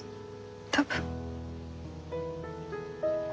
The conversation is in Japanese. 多分。